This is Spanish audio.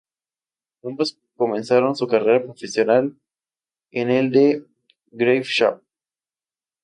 Ambos comenzaron su carrera profesional en el De Graafschap.